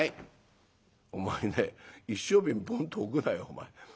「お前ね一升瓶ボンと置くなよお前。